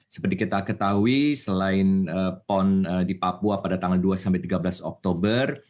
seperti kita ketahui selain pon di papua pada tanggal dua tiga belas oktober